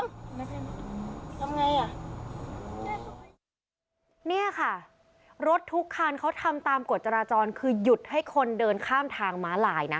เนี่ยค่ะรถทุกคันเขาทำตามกฎจราจรคือหยุดให้คนเดินข้ามทางม้าลายนะ